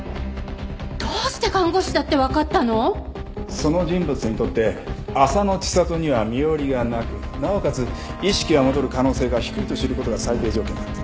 その人物にとって浅野知里には身寄りがなくなおかつ意識が戻る可能性が低いと知る事が最低条件だった。